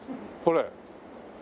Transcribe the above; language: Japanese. これ。